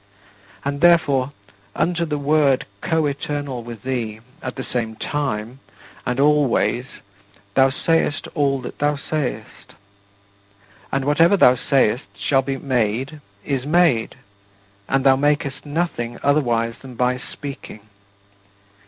And, therefore, unto the Word coeternal with thee, at the same time and always thou sayest all that thou sayest. And whatever thou sayest shall be made is made, and thou makest nothing otherwise than by speaking.